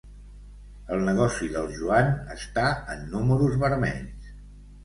El negoci del Joan està en números vermells.